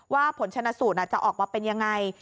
ว่าผลชนะศูนย์จะออกมาเป็นยังไง